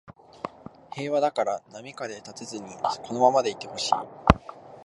平和だから波風立てずにこのままでいてほしい